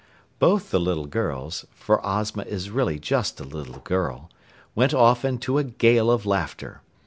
Both the little girls (for Ozma is really just a little girl) went off into a gale of laughter.